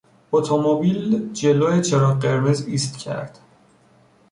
اتومبیل جلو چراغ قرمز ایست کرد.